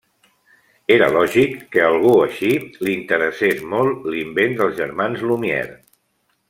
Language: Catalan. Era lògic que a algú així li interessés molt l’invent dels germans Lumière.